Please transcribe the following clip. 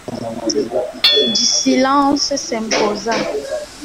Du silence s'imposa.